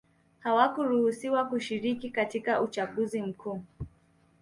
hawakuruhusiwa kushiriki katika uchaguzi mkuu